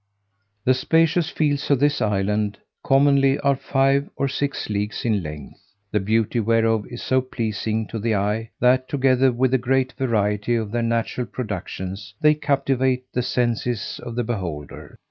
The spacious fields of this island commonly are five or six leagues in length, the beauty whereof is so pleasing to the eye, that, together with the great variety of their natural productions, they captivate the senses of the beholder.